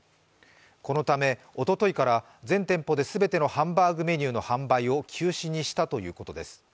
このため、おとといから全店舗で全てのハンバーグメニューの販売を休止にしたということです。